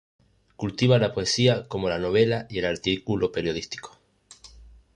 Cultiva la poesía, como la novela y el artículo periodístico.